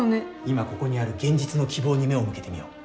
いまここにある現実の希望に目を向けてみよう。